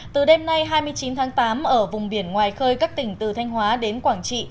từ đêm nay hai mươi chín tháng tám ở vùng biển ngoài khơi các tỉnh từ thanh hóa đến quảng trị